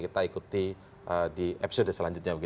kita ikuti di episode selanjutnya